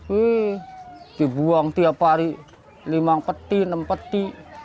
wih dibuang tiap hari limang peti enam peti